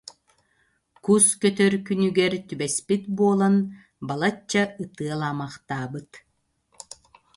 Кус көтөр күнүгэр түбэспит буолан, балачча ытыалаамахтаабыт.